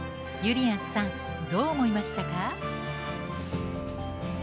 ゆりやんさんどう思いましたか？